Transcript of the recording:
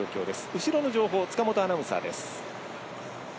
後ろの情報塚本アナウンサーです。